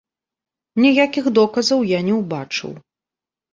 Ніякіх доказаў я не ўбачыў.